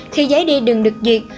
khi giấy đi đường được duyệt